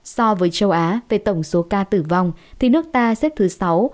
so với châu á về tổng số ca tử vong thì nước ta xếp thứ sáu